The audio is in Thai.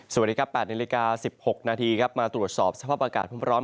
สวัสดีครับ๘นาฬิกา๑๖นาทีครับมาตรวจสอบสภาพอากาศพร้อม